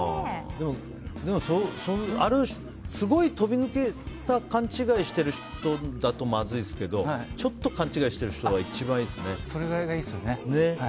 すごいとび抜けた勘違いしている人だとまずいですけどちょっと勘違いしている人はいいですよね。